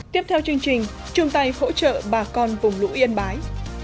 tiếp theo chương trình chương tay phỗ trợ bà con vùng lũ yên bái